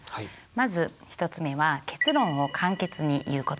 まず１つ目は結論を簡潔に言うこと。